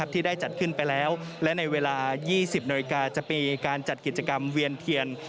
ที่ได้จัดขึ้นไปแล้วและในเวลา๒๐นาฬิกาจะมีการจัดกิจกรรมเวียนเทียน